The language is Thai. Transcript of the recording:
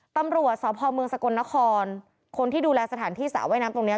ตำรวจสพเมืองสกลนครคนที่ดูแลสถานที่สระว่ายน้ำตรงเนี้ย